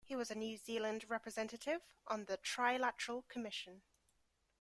He was a New Zealand Representative on the Trilateral Commission.